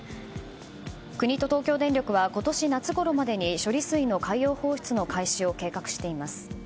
国と東京電力は今年夏ごろまでに処理水の海洋放出の開始を計画しています。